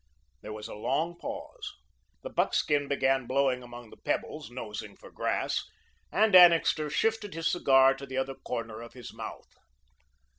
There was a long pause. The buckskin began blowing among the pebbles, nosing for grass, and Annixter shifted his cigar to the other corner of his mouth.